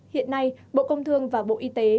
hiện nay bộ công thương và bộ y tế